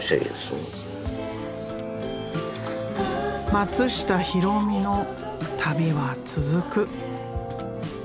松下広実の旅は続く。